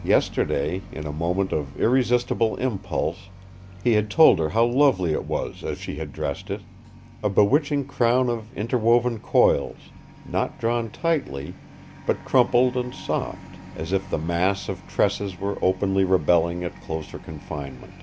Yesterday, in a moment of irresistible impulse, he had told her how lovely it was as she had dressed it, a bewitching crown of interwoven coils, not drawn tightly, but crumpled and soft, as if the mass of tresses were openly rebelling at closer confinement.